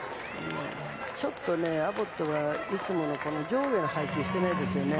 ちょっと、アボットはいつもの上下の配球をしていないですよね。